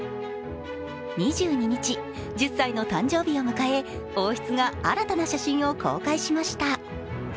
２２日、１０歳の誕生日を迎え王室が新たな写真を公開しました。